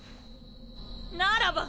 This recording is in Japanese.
ならば！